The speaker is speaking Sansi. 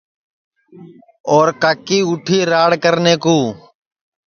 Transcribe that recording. اور کاکلی لالی اُٹھی راڑ کرنے کُو